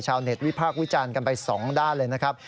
ชาวเน็ตวิพากษ์วิจารณ์กันไปสองด้านเลยนะครับ